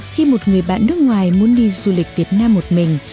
khi một người bạn nước ngoài muốn đi du lịch việt nam một mình